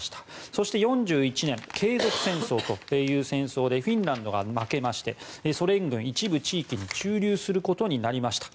そして４１年継続戦争という戦争でフィンランドが負けましてソ連軍、一部地域に駐留することになりました。